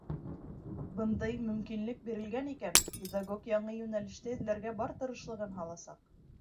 Ә бындай мөмкинлек бирелгән икән, педагог яңы йүнәлеште эҙләргә бар тырышлығын һаласаҡ.